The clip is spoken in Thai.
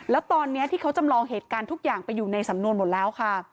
แล้วตอนนี้ที่เขาจำลองเหตุการณ์ทุกอย่างไปอยู่ในสำนวนหมดแล้วค่ะ